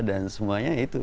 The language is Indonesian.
dan semuanya itu